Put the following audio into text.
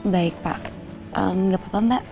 baik pak nggak apa apa mbak